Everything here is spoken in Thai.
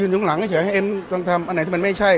ไม่ผมอยุ่งหลังเฉยให้เอมกำลังทำอันไหนที่มันไม่ใช่